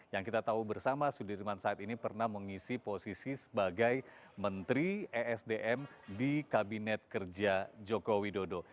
yang kita tahu bersama sudirman said ini pernah mengisi posisi sebagai menteri esdm di kabinet kerja joko widodo